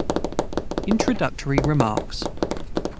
D. INTRODUCTORY REMARKS.